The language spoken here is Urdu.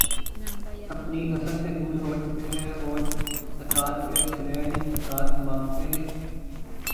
اپنی اصل سے دور ہوچکے ہیں اور اطاعت کے بغیر ہی عطا مانگتے ہیں